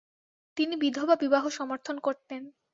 তিনি বিধবাবিবাহ সমর্থন করতেন।